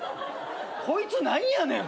こいつ何やねん！